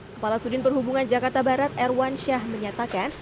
kepala sudin perhubungan jakarta barat erwan syah menyatakan